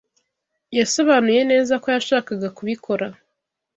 Yasobanuye neza ko yashakaga kubikora